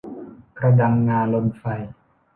กระดังงาลนไฟ